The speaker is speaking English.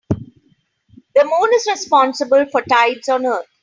The moon is responsible for tides on earth.